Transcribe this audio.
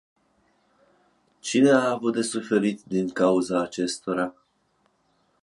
Cine a avut de suferit din cauza acestora?